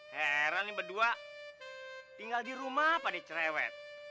heran berdua tinggal di rumah pada cerewet